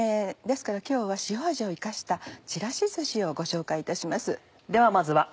ですから今日は塩味を生かしたちらしずしをご紹介いたします。